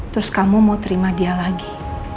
terus kamu mau terima dia lagi